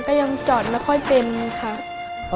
ก็ยังจอดไม่ค่อยเป็นค่ะ